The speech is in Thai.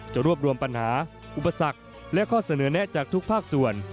รวบรวมปัญหาอุปสรรคและข้อเสนอแนะจากทุกภาคส่วน